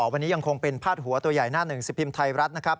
วันนี้ยังคงเป็นพาดหัวตัวใหญ่หน้าหนึ่งสิบพิมพ์ไทยรัฐนะครับ